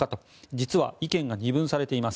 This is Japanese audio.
実は意見が二分されています。